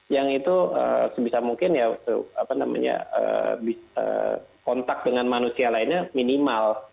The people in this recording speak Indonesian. yang itu sebisa mungkin ya apa namanya kontak dengan manusia lainnya minimal